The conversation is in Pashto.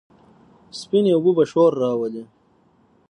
سپينې اوبه به شور راولي،